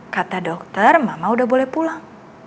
kata dokter mama udah boleh pulang